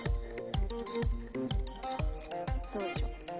どうでしょう？